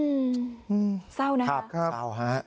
อืมเศร้านะครับครับฮะครับ